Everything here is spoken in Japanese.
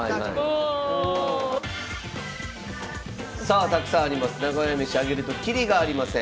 さあたくさんあります。